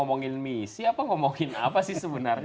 sepertinya kita akan menganggap kita ber nowadays try